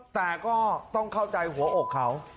แต่ก็ต้องเข้าใจหัวอกเขา